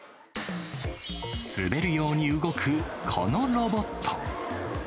滑るように動くこのロボット。